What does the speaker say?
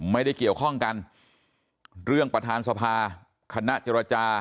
ไม่ได้เกี่ยวข้องกันเรื่องประธานสภาคณะเจรจา